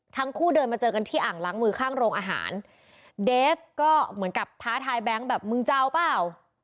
ทั้งคู่เดินมาเจอกันที่อ่างล้างมือข้างโรงอาหารเดฟก็เหมือนกับท้าทายแบงค์แบบมึงจะเอาเปล่า